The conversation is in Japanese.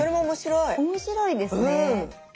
面白いですね。